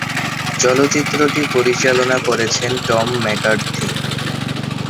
চলচ্চিত্রটি পরিচালনা করেছেন টম ম্যাকার্থি।